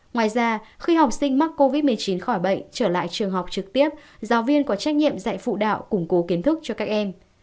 ngoài ra khi học sinh mắc covid một mươi chín khỏi bệnh trở lại trường học trực tiếp giáo viên có trách nhiệm dạy phụ đạo củng cố kiến thức cho các em